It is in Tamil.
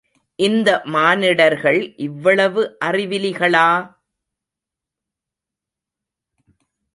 இந்த மானிடர்கள் இவ்வளவு அறிவிலிகளா!